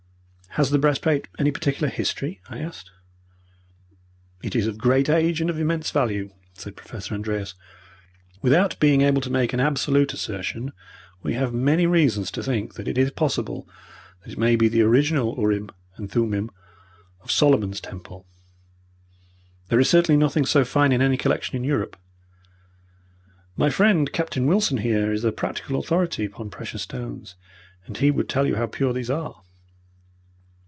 "Has the breastplate any particular history?" I asked. "It is of great age and of immense value," said Professor Andreas. "Without being able to make an absolute assertion, we have many reasons to think that it is possible that it may be the original urim and thummim of Solomon's Temple. There is certainly nothing so fine in any collection in Europe. My friend, Captain Wilson, here, is a practical authority upon precious stones, and he would tell you how pure these are."